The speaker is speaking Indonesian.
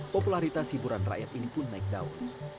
popularitas hiburan rakyat ini pun naik daun